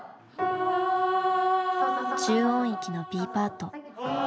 中音域のＢパート。